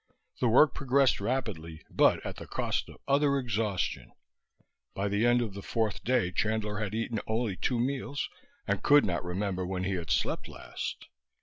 The work progressed rapidly, but at the cost of utter exhaustion. By the end of the fourth day Chandler had eaten only two meals and could not remember when he had slept last.